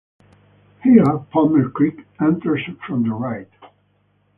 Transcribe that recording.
Here Palmer Creek enters from the right.